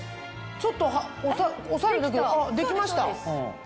ちょっと押さえるだけでできました。